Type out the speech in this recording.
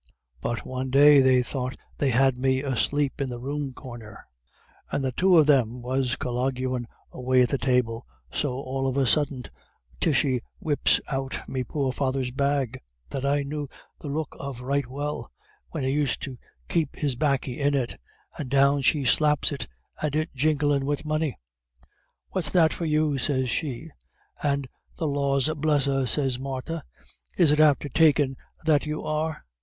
But one day they thought they had me asleep in the room corner, and the two of them was colloguin' away at the table, so all of suddint Tishy whips out me poor father's bag, that I knew the look of right well, when he used to keep his 'baccy in it, and down she slaps it, and it jinglin' wid money. 'What's that for you?' sez she, and: 'The laws bless us,' sez Martha, 'is it after takin' that you are?